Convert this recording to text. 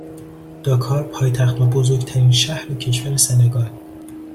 داکار پایتخت و بزرگترین شهر کشور سنگال